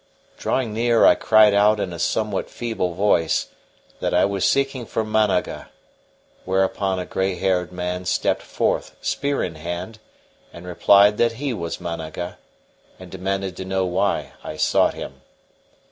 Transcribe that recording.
Drawing near I cried out in a somewhat feeble voice that I was seeking for Managa; whereupon a gray haired man stepped forth, spear in hand, and replied that he was Managa, and demanded to know why I sought him.